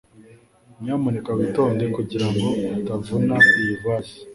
Nyamuneka witonde kugirango utavuna iyi vase